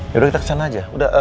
yaudah kita ke sana aja